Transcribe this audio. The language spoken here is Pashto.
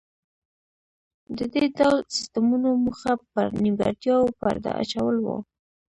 د دې ډول سیستمونو موخه پر نیمګړتیاوو پرده اچول و